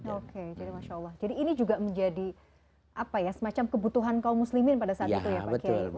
oke jadi masya allah jadi ini juga menjadi semacam kebutuhan kaum muslimin pada saat itu ya pak kiai